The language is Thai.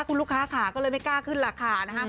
คุณลูกค้าขาก็เลยไม่กล้าขึ้นราคานะคะ